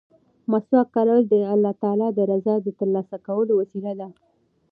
مسواک کارول د الله تعالی د رضا د ترلاسه کولو وسیله ده.